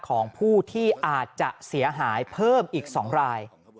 ของผู้ที่อาจจะเสียหายเพิ่มอีก๒ราย